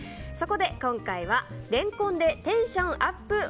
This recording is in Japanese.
そこで今回はレンコンでテンションアップ